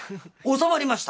収まりましたね」。